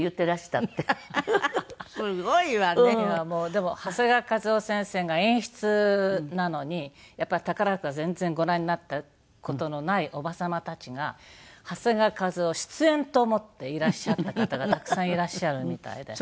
でも長谷川一夫先生が演出なのにやっぱり宝塚全然ご覧になった事のないおば様たちが長谷川一夫出演と思っていらっしゃった方がたくさんいらっしゃるみたいで。